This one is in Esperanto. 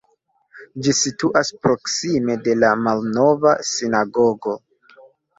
Ĝi situas proksime de la malnova sinagogo.